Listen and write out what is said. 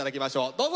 どうぞ。